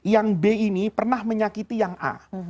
yang be ini pernah menyakiti yang b